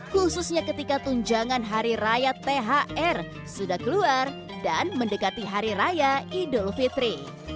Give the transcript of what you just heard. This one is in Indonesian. khususnya ketika tunjangan hari raya thr sudah keluar dan mendekati hari raya idul fitri